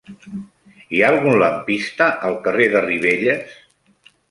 Hi ha algun lampista al carrer de Ribelles?